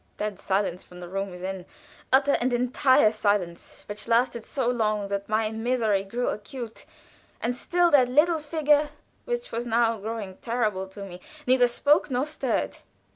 Dead silence from the room within; utter and entire silence, which lasted so long that my misery grew acute, and still that little figure, which was now growing terrible to me, neither spoke nor stirred.